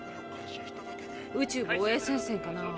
宇宙防衛戦線かな？